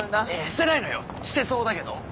してないのよしてそうだけど。